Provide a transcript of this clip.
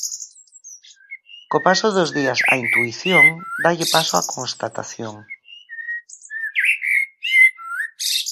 Co paso dos días a intuición, dálle paso á constatación.